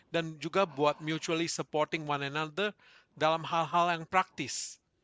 dan juga buat mutually supporting one another dalam hal hal yang praktis